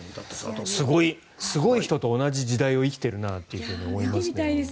すごい人と同じ時代を生きているなと思います。